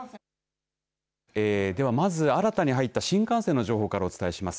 では、まず新たに入った新幹線の情報からお伝えします。